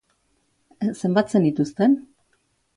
Zenbat zenituzten?